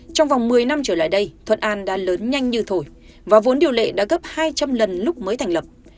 trong vòng một mươi năm trở lại đây thuận an đã lớn nhanh như thổi và vốn điều lệ đã gấp hai trăm linh lần lúc mới thành lập